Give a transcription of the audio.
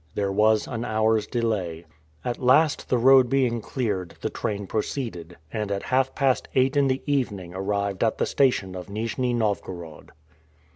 There was an hour's delay. At last, the road being cleared, the train proceeded, and at half past eight in the evening arrived at the station of Nijni Novgorod.